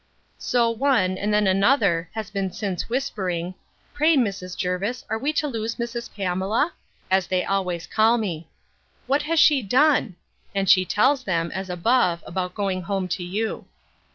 So one, and then another, has been since whispering, Pray, Mrs. Jervis, are we to lose Mrs. Pamela? as they always call me—What has she done? And she tells them, as above, about going home to you.